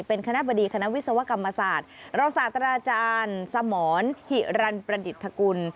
เป็นคณะบดีคณะวิศวกรรมศาสตร์รองศาสตราอาจารย์สมรหิรันประดิษฐกุล